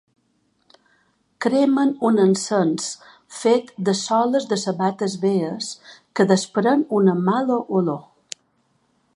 Cremen un encens fet de soles de sabates velles que desprèn una mala olor.